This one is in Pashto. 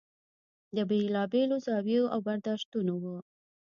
د بېلا بېلو زاویو او برداشتونو و.